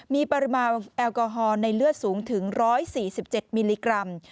มีปริมาณแอลกอฮอล์ในเลือดสูงถึง๑๔๗มิลลิกรัม